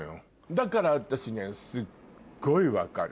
だから私ねすっごい分かる